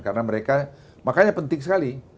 karena mereka makanya penting sekali